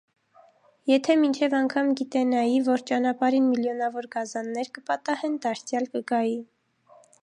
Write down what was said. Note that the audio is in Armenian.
Եթե մինչև անգամ գիտենայի, որ ճանապարհին միլիոնավոր գազաններ կպատահեն, դարձյալ կգայի: